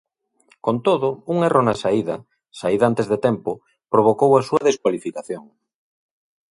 Con todo, un erro na saída, saída antes de tempo, provocou a súa descualificación.